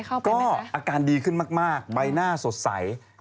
อาการดีขึ้นมากใบหน้าสดใส